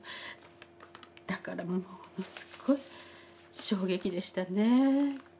だからもうすごい衝撃でしたね。